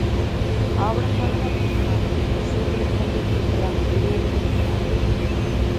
A obra fala da poligamia no sur de Mozambique durante o período colonial.